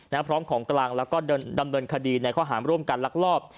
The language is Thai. พร้อมของกลางแล้วก็ดำเนินคดีในข้อหารร่วมกันลักลอบ